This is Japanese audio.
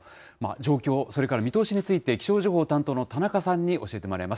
状況、それから見通しについて、気象情報担当の田中さんに教えてもらいます。